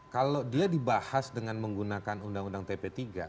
kalau dia dibahas dengan menggunakan undang undang tp tiga